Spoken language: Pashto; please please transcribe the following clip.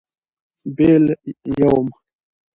بېل. √ یوم